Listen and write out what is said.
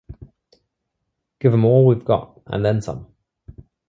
Give 'em all we've got and then some!